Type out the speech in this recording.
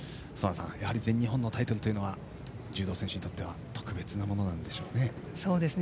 やはり全日本のタイトルは柔道選手にとっては特別なものなんでしょうね。